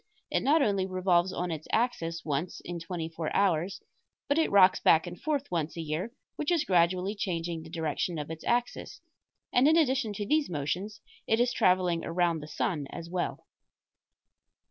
It not only revolves on its axis once in twenty four hours, but it rocks back and forth once a year, which is gradually changing the direction of its axis; and in addition to these motions it is traveling around the sun as well.